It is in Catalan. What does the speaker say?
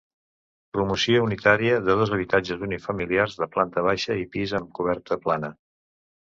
Promoció unitària de dos habitatges unifamiliars de planta baixa i pis amb coberta plana.